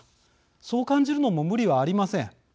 そう感じるのも無理はありません。